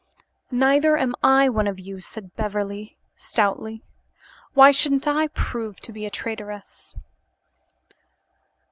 "Neither am I one of you," said Beverly stoutly. "Why shouldn't I prove to be a traitress?"